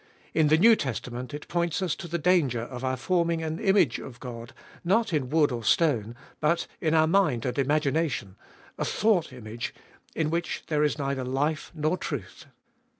In the New Testament it points us to the danger of our forming an image of God, not in wood or stone, but in our mind and imagination — athought image, in which there is neither life nor truth.